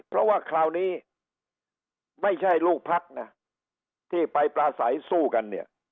เพราะว่าคราวนี้ไม่ใช่ลูกพรรคที่ไปประสัยสู้กัน